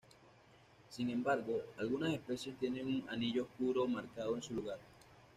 Sin embargo, algunas especies tienen un anillo oscuro marcado en su lugar.